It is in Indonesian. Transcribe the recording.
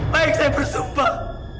baik saya bersumpah